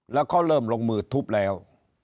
แล้วเขาเริ่มลงมือทุบแล้ว